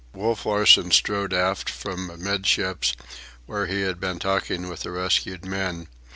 Wolf Larsen strode aft from amidships, where he had been talking with the rescued men.